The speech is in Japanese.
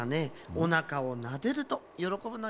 おなかをなでるとよろこぶのよ。